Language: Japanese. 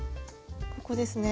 ここですね？